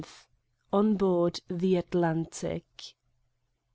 On board the Atlantic.